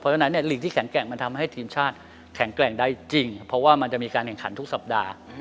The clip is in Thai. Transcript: เพราะฉะนั้นเนี่ยหลีกที่แข็งแกร่งมันทำให้ทีมชาติแข็งแกร่งได้จริงเพราะว่ามันจะมีการแข่งขันทุกสัปดาห์